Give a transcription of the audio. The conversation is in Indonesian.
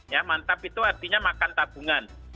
ya mantap itu artinya makan tabungan